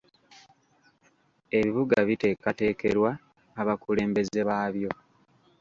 Ebibuga biteekateekerwa abakulembeze baabyo.